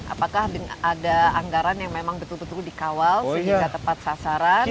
apakah ada anggaran yang memang betul betul dikawal sehingga tepat sasaran